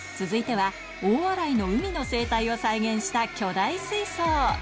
続いては、大洗の海の生態を再現した巨大水槽。